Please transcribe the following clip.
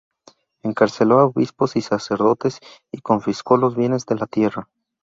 Encarceló a obispos y sacerdotes y confiscó los bienes de la tierra.